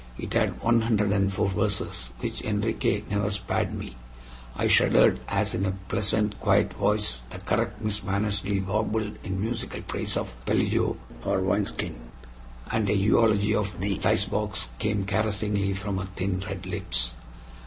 It had one hundred and four verses, which Enriquez never spared me. I shuddered as in a pleasant, quiet voice the correct Miss Mannersley warbled in musical praise of the PELLEJO, or wineskin, and a eulogy of the dicebox came caressingly from her thin red lips.